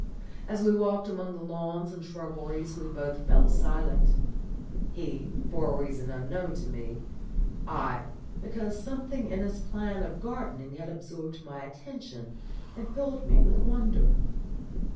As we walked among the lawns and shrubberies we both fell silent: he, for a reason unknown to me; I, because something in his plan of gardening had absorbed my attention and filled me with wonder.